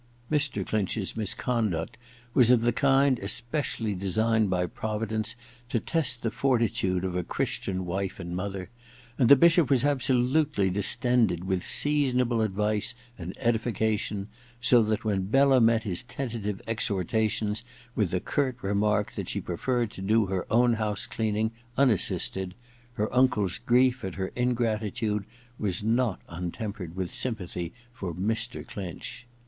Mr. Clinch's misconduct was of the kind especially designed by Providence to test the fortitude of a Christian wife and mother, and the Bishop was absolutely distended with seasonable advice and edification ; so that when Bella met his tentative exhortations with the curt remark that she preferred to do her own house cleaning unassisted, her uncle's grief at her ingratitude was not untempered with sympathy for Mr. Clinch.